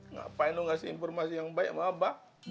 ngapain lu ngasih informasi yang baik sama apa